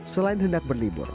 selain hendak berlibur